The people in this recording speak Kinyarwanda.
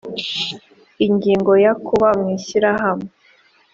ingingo ya kuba mu ishyirahamwe